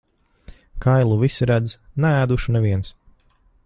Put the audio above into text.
Kailu visi redz, neēdušu neviens.